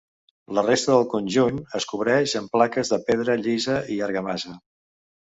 La resta del conjunt es cobreix amb plaques de pedra llisa i argamassa.